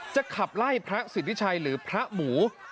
จะขับไล่พระสิริชัยหรือพระหมูหลีคือ